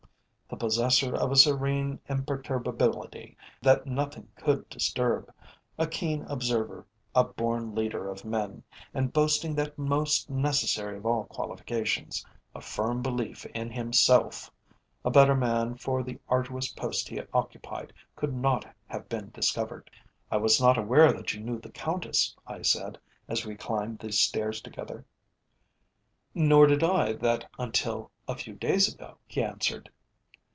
The possessor of a serene imperturbability that nothing could disturb, a keen observer, a born leader of men, and boasting that most necessary of all qualifications, a firm belief in himself, a better man for the arduous post he occupied could not have been discovered. "I was not aware that you knew the Countess," I said, as we climbed the stairs together. "Nor did I that until a few days ago," he answered.